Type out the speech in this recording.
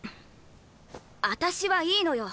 私はいいのよ。